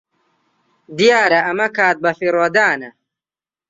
دیارە ئەمە کات بەفیڕۆدانە.